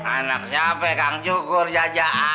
enak siapa kang cukur jaja a